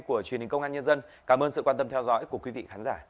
cảm ơn các bạn đã theo dõi